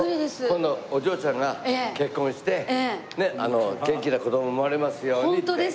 今度お嬢ちゃんが結婚して元気な子供が生まれますようにって。